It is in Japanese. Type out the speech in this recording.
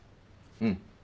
うん。